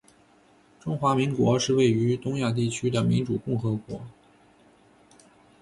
中华民国是位于东亚地区的民主共和国